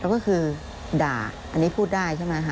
ก็คือด่าอันนี้พูดได้ใช่ไหมคะ